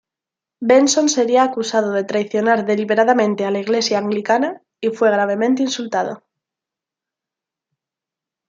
Benson sería acusado de traicionar deliberadamente a la Iglesia Anglicana, y fue gravemente insultado.